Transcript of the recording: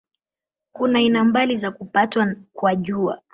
Kuna aina mbalimbali za kupatwa kwa Jua.